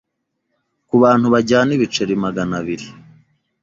ku bantu bajyana ibiceri maganabiri '